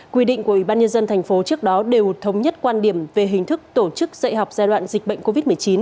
quy định của ủy ban nhân dân thành phố trước đó đều thống nhất quan điểm về hình thức tổ chức dạy học giai đoạn dịch bệnh covid một mươi chín